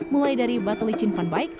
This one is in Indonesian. mulai dari batu licin fun bike